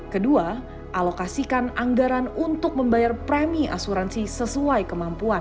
kedua alokasikan anggaran untuk membayar premi asuransi sesuai kemampuan